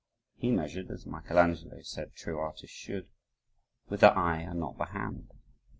He measured, as Michel Angelo said true artists should, "with the eye and not the hand."